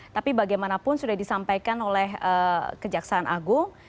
tapi bagaimanapun sudah disampaikan oleh kejaksaan agung